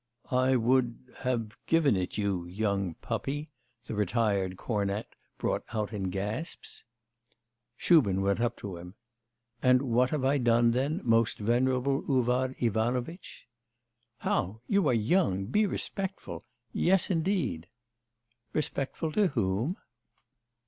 'I would... have given it you... young puppy,' the retired cornet brought out in gasps. Shubin went up to him. 'And what have I done, then, most venerable Uvar Ivanovitch?' 'How! you are young, be respectful. Yes indeed.' 'Respectful to whom?